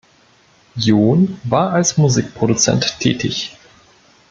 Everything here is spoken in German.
John war als Musikproduzent tätig.